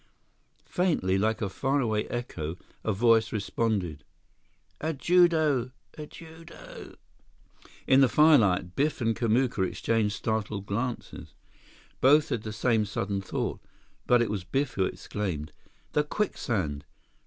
Faintly, like a faraway echo, a voice responded: "Ajudo! Ajudo!" In the firelight, Biff and Kamuka exchanged startled glances. Both had the same sudden thought, but it was Biff who exclaimed, "The quicksand!